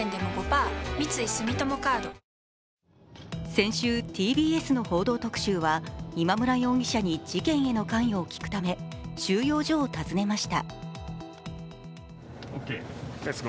先週、ＴＢＳの「報道特集」は今村容疑者に事件への関与を聞くため収容所を訪ねました。